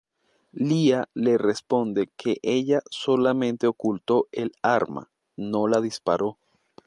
Lya le responde que ella solamente oculto el arma, no la disparó.